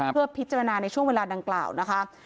เพื่อพิจารณาในช่วงเวลาดังกล่าวนะคะ